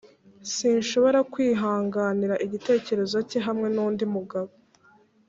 sinshobora kwihanganira igitekerezo cye hamwe nundi mugabo